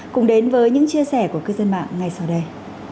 cùng đến với những chia sẻ của cư dân mạng ngay sau đây